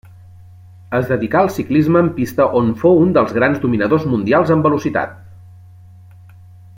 Es dedicà al ciclisme en pista on fou un dels grans dominador mundials en velocitat.